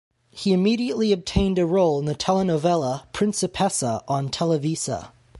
He immediately obtained a role in the telenovela "Principessa" on Televisa.